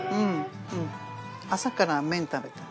朝から麺食べたい。